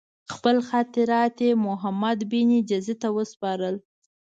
خپل خاطرات یې محمدبن جزي ته وسپارل.